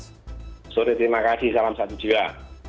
selamat sore terima kasih salam satu jiwa